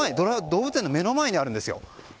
動物園の目の前にあるんですよ。